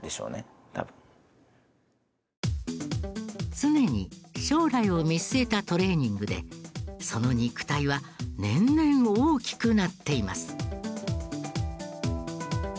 常に将来を見据えたトレーニングでその肉体は年々大きくなっています。